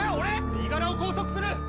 身柄を拘束する！